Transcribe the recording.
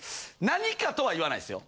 なにかとは言わないですよ。